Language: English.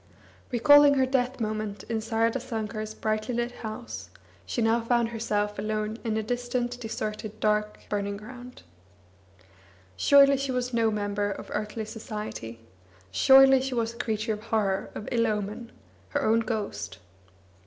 Recalling her death moment in Saradasankar's brightly lit house, she now found herself alone in a distant, deserted, dark burning. ground. Surely she was no member of earthly society! Surely she was a creature of horror, of ill omen, her own ghost!